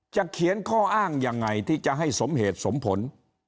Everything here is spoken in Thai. เขียนข้ออ้างยังไงที่จะให้สมเหตุสมผล